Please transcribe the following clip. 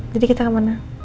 jadi kita kemana